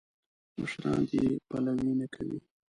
مشران دې پلوي نه کوي.